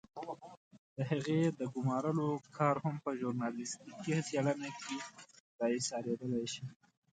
د هغې د ګمارلو کار هم په ژورنالستيکي څېړنه کې را اېسارېدلای شي.